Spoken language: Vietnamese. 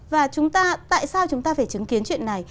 và tại sao chúng ta phải chứng kiến chuyện này